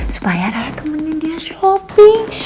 supaya saya temenin dia shopping